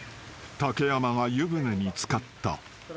［竹山が湯船に漬かった］